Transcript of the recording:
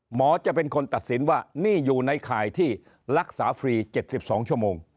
หมอจะเป็นคนตัดสินว่านี่อยู่ในข่ายที่รักษาฟรี๗๒ชั่วโมง